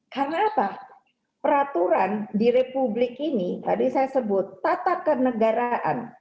karena apa peraturan di republik ini tadi saya sebut tata kenegaraan